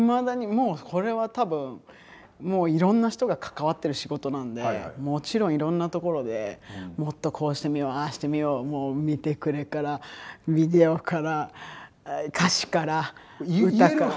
もうこれは多分いろんな人が関わってる仕事なんでもちろんいろんなところでもっとこうしてみようああしてみようもう見てくれからビデオから歌詞から歌から。